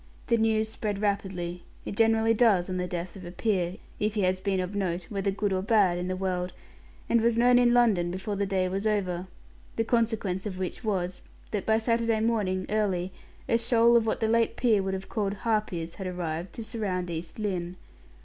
The news spread rapidly. It generally does on the death of a peer, if he has been of note, whether good or bad, in the world, and was known in London before the day was over the consequence of which was, that by Saturday morning, early, a shoal of what the late peer would have called harpies, had arrived, to surround East Lynne.